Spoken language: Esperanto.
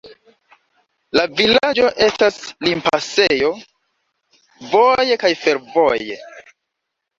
La vilaĝo estas limpasejo voje kaj fervoje.